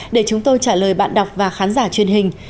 để chúng tôi trả lời bạn đọc và khán giả truyền hình